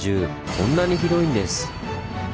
こんなに広いんです。